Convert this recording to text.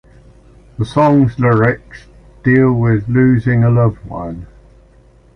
The song's lyrics deal with losing a loved one.